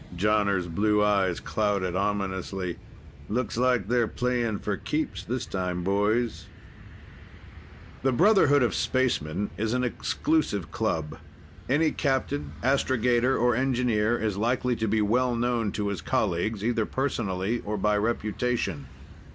Jonner's blue eyes clouded ominously. "Looks like they're playing for keeps this time, boys." The brotherhood of spacemen is an exclusive club. Any captain, astrogator or engineer is likely to be well known to his colleagues, either personally or by reputation.